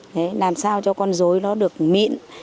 đấy làm sao cho con dối nó được mịn